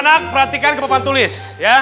anak anak perhatikan kebapan tulis ya